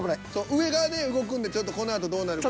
上がね動くんでちょっとこのあとどうなるか。